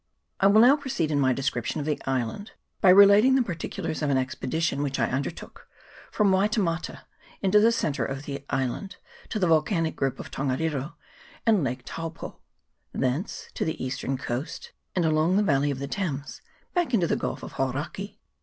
I WILL DOW proceed in my description of the island, by relating the particulars of an expedition which I undertook from Waitemata into the centre of the island, to the volcanic group of Tongariro and Lake Taupo, thence to the eastern coast and along the valley of the Thames, back into the Gulf of Hauraki.